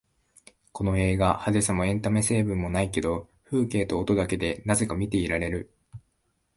この映画、派手さもエンタメ成分もないけど風景と音だけでなぜか見ていられる